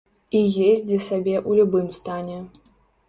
І ездзі сабе ў любым стане.